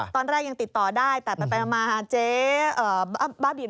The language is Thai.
ตอนแรกยังติดต่อได้แต่ไปมาเจ๊บ้าบิน